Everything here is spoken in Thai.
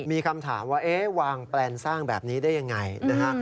มีคำถามว่าเอ๊ะวางแปลนสร้างแบบนี้ได้ยังไงนะฮะ